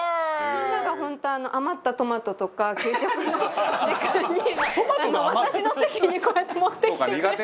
みんなが、本当余ったトマトとか、給食の時間に私の席にこうやって持ってきてて。